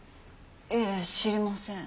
いえ知りません。